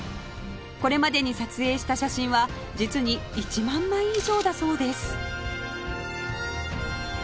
これまでに撮影した写真は実に１万枚以上だそうです